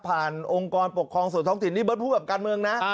ผ่านองค์กรปกครองส่วนท้องถิ่นนี่ไม่ต้องพูดกับการเมืองนะ